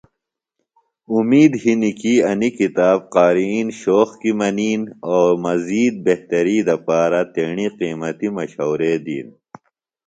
اومِد ہنیۡ کی انیۡ کتاب قارئین شوق کی منِین او مزید بہتری دپارہ تیݨی قیمتی مشورے دِین